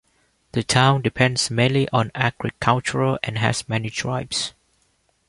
The town depends mainly on agricultural and has many tribes.